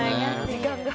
時間が。